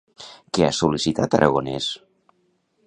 Què ha sol·licitat Aragonès?